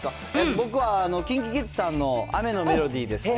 僕はＫｉｎＫｉＫｉｄｓさんの雨のメロディーですね。